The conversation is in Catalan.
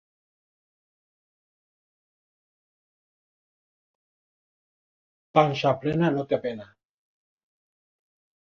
Panxa plena no té pena.